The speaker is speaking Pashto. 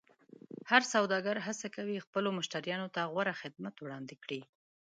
هر سوداګر هڅه کوي خپلو مشتریانو ته غوره خدمت وړاندې کړي.